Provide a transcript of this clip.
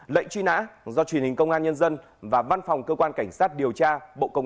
lệnh truy nã do truyền hình công an nhân dân và văn phòng cơ quan cảnh sát điều tra bộ công an phối hợp thực hiện